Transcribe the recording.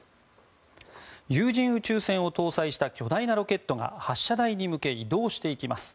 有人宇宙船を搭載した巨大なロケットが発射台に向け移動していきます。